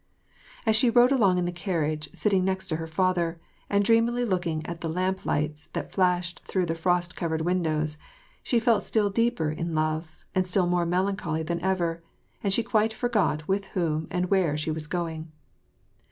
. As she rode along in the carriage, sitting next to her father, and dreamily looking at the lamp lights that flashed through the frost covered windows, she felt still deeper in love, and still more melancholy than ever, and she quite forgot with whom and where she was going.